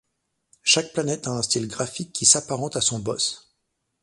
Chaque planète a un style graphique qui s'apparente à son boss.